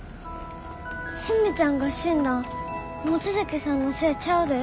スミちゃんが死んだん望月さんのせえちゃうで。